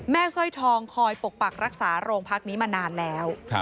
แม่ซ่อยทองคอยปกปรักษารงพรรคนี้มานานแล้ว